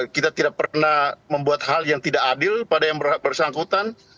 kita tidak pernah membuat hal yang tidak adil pada yang bersangkutan